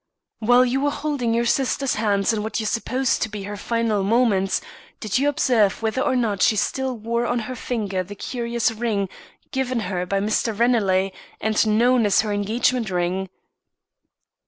"While you were holding your sister's hands in what you supposed to be her final moments, did you observe whether or not she still wore on her finger the curious ring given her by Mr. Ranelagh, and known as her engagement ring?"